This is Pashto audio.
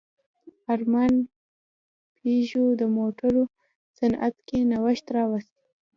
ارمان پيژو د موټرو صنعت کې نوښت راوست.